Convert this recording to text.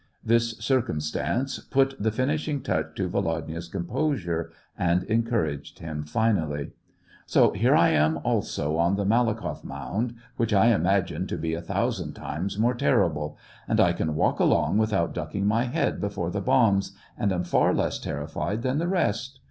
This circumstance put the finishing touch to Vo lodya's composure and encouraged him finally. *' So here I am also on the Malakoff mound, which I imagined to be a thousand times more ter rible ! And I can walk along without ducking my head before the bombs, and am far less terrified than the rest